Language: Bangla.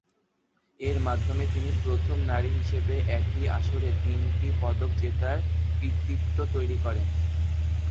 এর মাধ্যমে তিনি প্রথম নারী হিসেবে একই আসরে তিনটি পদক জেতার কৃতিত্ব তৈরি করেন।